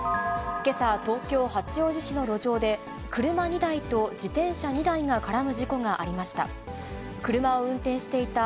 けさ、東京・八王子市の路上で、車２台と自転車２台が絡む事故がありました。